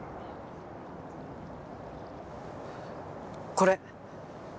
これ！